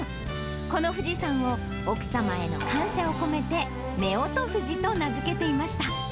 この富士山を奥様への感謝を込めて、夫婦富士と名付けていました。